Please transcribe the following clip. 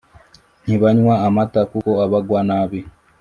ntibanywa amata kuko abagwa nabi.